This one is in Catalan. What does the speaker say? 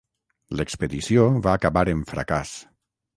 L'expedició va acabar en fracàs.